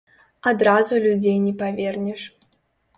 Адразу людзей не павернеш.